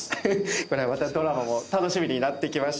これはまたドラマも楽しみになってきました。